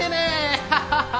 ハハハハ！